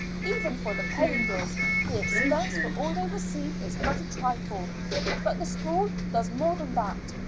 Even for the paying girls the expense for all they receive is but a trifle. But the school does more than that.